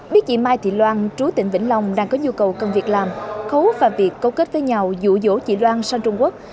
biết chị mai thị loan trú tỉnh vĩnh long đang có nhu cầu công việc làm khấu và việc câu kết với nhau dũ dỗ chị loan sang trung quốc